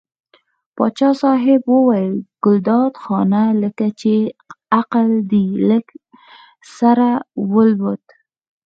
پاچا صاحب وویل ګلداد خانه لکه چې عقل دې له سره والوت.